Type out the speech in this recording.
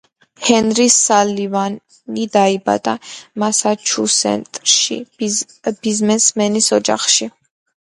ჰენრი სალივანი დაიბადა მასაჩუსეტსში, ბიზნესმენის ოჯახში.